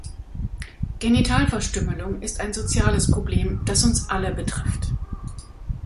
Genitalverstümmelung ist ein soziales Problem, das uns alle betrifft.